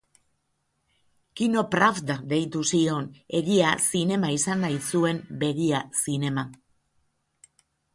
Kino-Pravda deitu zion, egia-zinema izan nahi zuen begia-zinema.